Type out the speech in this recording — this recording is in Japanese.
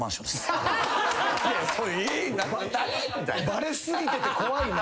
バレすぎてて怖いな。